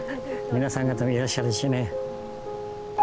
皆さん方もいらっしゃるしね。